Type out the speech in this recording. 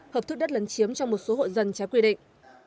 hợp thức đất lấn chiếm trong một số hộ dân trái quy định